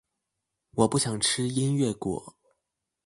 我不想吃音樂果